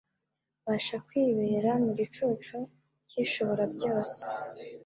basha kwibera mu gicucu cy'Ishoborabyose.